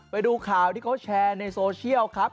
ไปดูข่าวที่เขาแชร์ในโซเชียลครับ